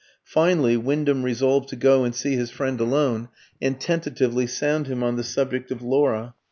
Finally, Wyndham resolved to go and see his friend alone, and tentatively sound him on the subject of "Laura."